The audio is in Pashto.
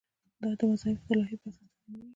دا د وظایفو د لایحې په اساس تنظیمیږي.